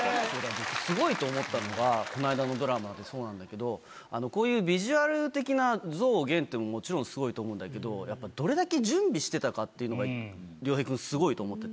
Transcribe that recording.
僕スゴいと思ったのがこの間のドラマでそうなんだけどこういうビジュアル的な増減ってもちろんスゴいと思うんだけどやっぱどれだけ準備してたかっていうのが亮平くんスゴいと思ってて。